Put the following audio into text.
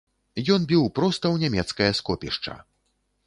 Ён біў проста ў нямецкае скопішча.